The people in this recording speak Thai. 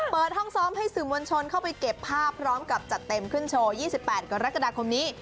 เปิดห้องซ้อมให้สื่อมวลชนเข้าไปเก็บภาพพร้อมกับจัดเต็มขึ้นโชว์๒๘กรกฎาคมนี้